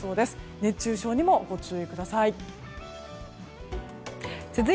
熱中症にもご注意ください。